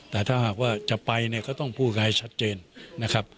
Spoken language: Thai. แต่ถ้าหากว่าจะไปเนี่ยก็ต้องพูดกันให้ชัดเจนนะครับ